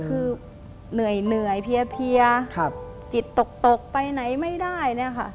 คือเหนื่อยเพียจิตตกไปไหนไม่ได้เนี่ยค่ะ